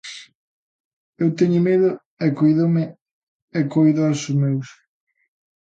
Eu teño medo e cóidome e coido aos meus.